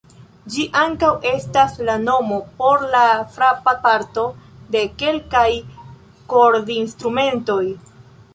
Ĝi ankaŭ estas la nomo por la frapa parto de kelkaj kordinstrumentoj.